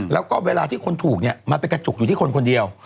แล้วก็เวลาที่คนถูกเนี่ยมันไปกระจุกอยู่ที่คนคนเดียว